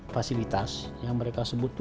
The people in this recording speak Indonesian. fasilitas yang mereka sebut